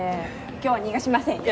今日は逃がしませんよ。